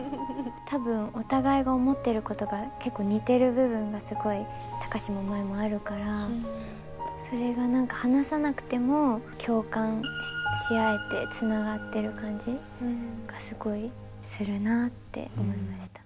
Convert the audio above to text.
多分お互いが思ってることが結構似てる部分がすごい貴司も舞もあるからそれが何か話さなくても共感しあえてつながってる感じがすごいするなって思いました。